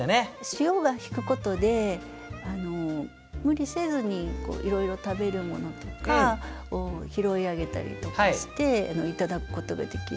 潮が引くことで無理せずにいろいろ食べるものとかを拾い上げたりとかしていただくことができる。